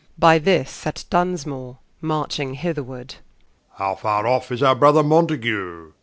By this at Dunsmore, marching hitherward War. How farre off is our Brother Mountague?